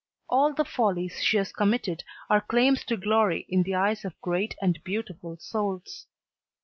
All the follies she has committed are claims to glory in the eyes of great and beautiful souls.